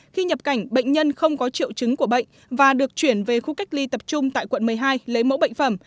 khi nhập cảnh bệnh nhân không có triệu chứng của bệnh và được chuyển về khu cách ly tập trung tại quận một mươi hai lấy mẫu bệnh phẩm